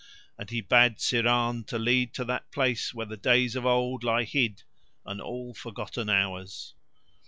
And he bade Syrahn to lead to that place where the days of old lie hid and all forgotten hours.